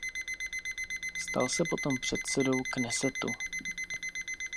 Stal se potom předsedou Knesetu.